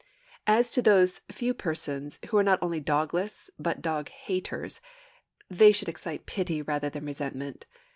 As to those few persons who are not only dogless but dog haters, they should excite pity rather than resentment.